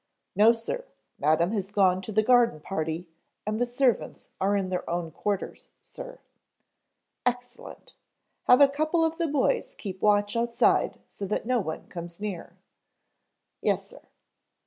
"No sir. Madam has gone to the garden party, and the servants are in their own quarters, sir." "Excellent. Have a couple of the boys keep watch outside so that no one comes near." "Yes sir."